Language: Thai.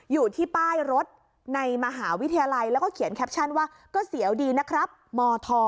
อยู่ที่ป้ายรถในมหาวิทยาลัยแล้วก็เขียนแคปชั่นว่าก็เสียวดีนะครับมธ